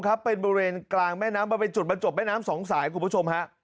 เป็นบริเวณกลางแม่น้ำมันเป็นจุดบรรจบแม่น้ำสองสายคุณผู้ชมฮะ